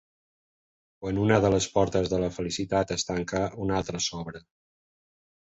Quan una de les portes de la felicitat es tanca, una altra s'obre.